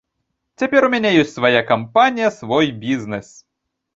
Цяпер у мяне ёсць свая кампанія, свой бізнэс.